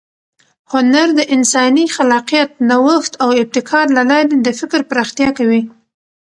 هنر د انساني خلاقیت، نوښت او ابتکار له لارې د فکر پراختیا کوي.